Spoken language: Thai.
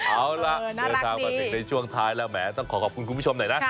เอาล่ะเดินทางมาถึงในช่วงท้ายแล้วแหมต้องขอขอบคุณคุณผู้ชมหน่อยนะ